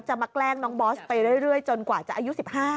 มาแกล้งน้องบอสไปเรื่อยจนกว่าจะอายุ๑๕